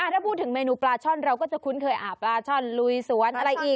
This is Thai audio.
ถ้าพูดถึงเมนูปลาช่อนเราก็จะคุ้นเคยปลาช่อนลุยสวนอะไรอีก